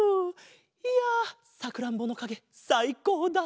いやさくらんぼのかげさいこうだった。